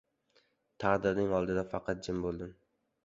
Taqdiring oldida faqat jim bo‘ldim.